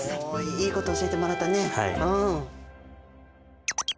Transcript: いいこと教えてもらったね。